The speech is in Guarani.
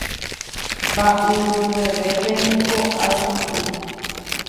mba'yruvevépe niko ajúkuri